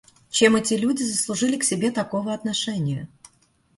Чем эти люди заслужили к себе такого отношения?